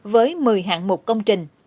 với một mươi hạng mục công trình